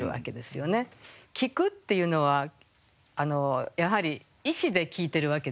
「聞く」っていうのはやはり意思で聞いてるわけですよね。